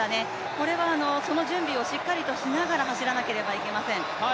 これはその準備をしっかりとしながら走らなければなりません。